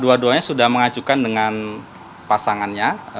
dua duanya sudah mengajukan dengan pasangannya